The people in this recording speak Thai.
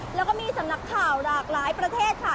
แล้วก็มีสำนักข่าวหลากหลายประเทศค่ะ